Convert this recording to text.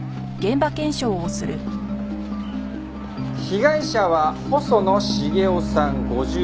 被害者は細野茂雄さん５８歳。